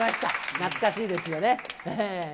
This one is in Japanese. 懐かしいですよね。